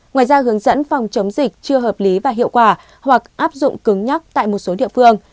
ngoài ra hướng dẫn phòng chống dịch chưa hợp lý và hiệu quả hoặc áp dụng cứng nhắc tại một số địa phương